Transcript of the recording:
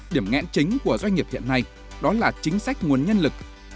điểm nghẽn chính của doanh nghiệp hiện nay đó là chính sách nguồn nhân lực